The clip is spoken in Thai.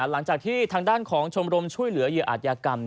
หลังจากที่ทางด้านของช่วยเหลือเยียอาธิกรรม